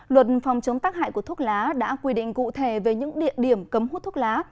luật phòng chống tác hại của thuốc lá đã quy định cụ thể về những địa điểm cấm hút thuốc lá